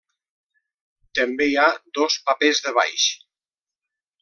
També hi ha dos papers de baix.